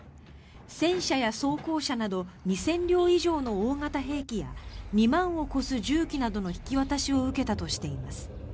戦車や装甲車など２０００両以上の大型兵器や２万を超す銃器などの引き渡しを受けたとしています。